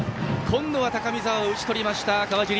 今度は高見澤、打ち取りました川尻。